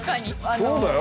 そうだよ。